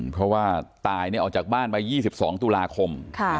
เพราะว่าตายออกจากบ้านไป๒๒ตุลาคม